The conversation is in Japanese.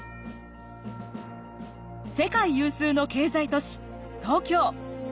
世界有数の経済都市東京。